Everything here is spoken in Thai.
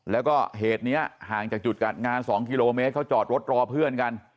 แล้วก็เหตุนี้ห่างจากจุดกัดงาน๒กิโลเมตรเขาจอดรถรอเพื่อนกัน